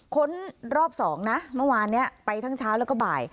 ้นรอบ๒นะเมื่อวานนี้ไปทั้งเช้าแล้วก็บ่าย